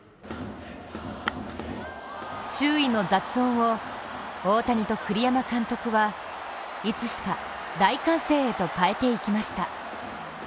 周囲の雑音を大谷と栗山監督はいつしか、大歓声へと変えていきました。